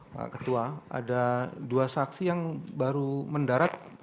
pak ketua ada dua saksi yang baru mendarat